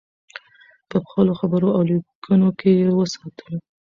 په خپلو خبرو او لیکنو کې یې وساتو.